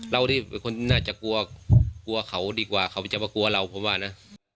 เรานี่เป็นคนน่าจะกลัวกลัวเขาดีกว่าเขาจะมากลัวเราผมว่านะ